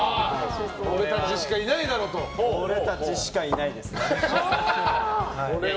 俺たちしかいないですね。